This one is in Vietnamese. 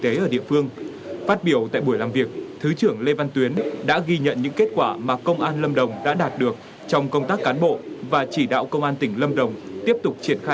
trong buổi làm việc đại tá trần bình